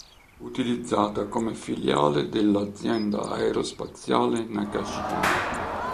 Utilizzata come filiale della azienda aerospaziale Nakajima.